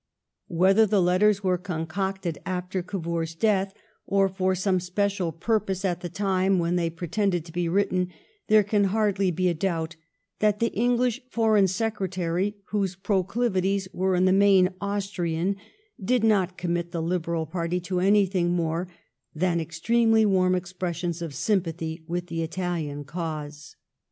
Whether the letters were concocted after Cavour's death, or for some special purpose at the time when they pre» tended to be written, there can hardly be a doubt that the English Foreign Secretary, whose proclivities were in the main Austrian, did not commit the Liberal party to anything more than extremely warm expressions of sympathy with the Italian cause.